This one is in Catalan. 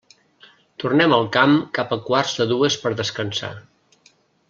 Tornem al camp cap a quarts de dues per descansar.